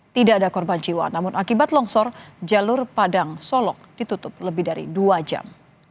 tidak ada korban jiwa namun akibat longsor jalur padang solok ditutup lebih dari dua jam